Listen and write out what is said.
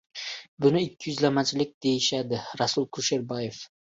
«Buni ikkiyuzlamachilik deyishadi» – Rasul Kusherbayev